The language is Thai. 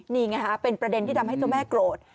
นี่ไงฮะเป็นประเด็นที่ทำให้เจ้าแม่โกรธ